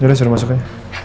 yaudah suruh masuk aja